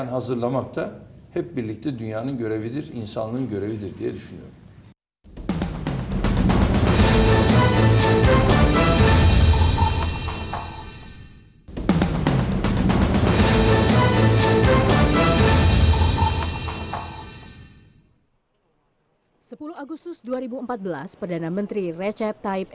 kami siap untuk melindungi mereka